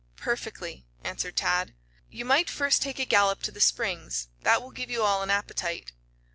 "Perfectly," answered Tad. "You might first take a gallop to the Springs. That will give you all an appetite."